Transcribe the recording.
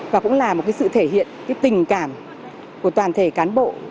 và cũng là một cái sự thể hiện cái tình cảm của toàn thể cán bộ